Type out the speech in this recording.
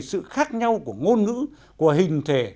sự khác nhau của ngôn ngữ của hình thể